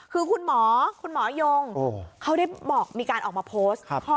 คือคุณหมอคุณหมอยงเขาได้บอกมีการออกมาโพสต์